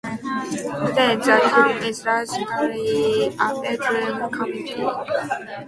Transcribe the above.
Today, the town is largely a bedroom community.